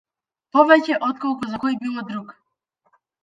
Повеќе отколку за кој било друг број.